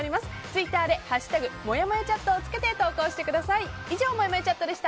ツイッターで「＃もやもやチャット」をつけて投稿してください。